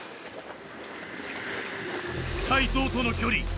斉藤との距離８